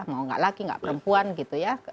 mau tidak laki tidak perempuan gitu ya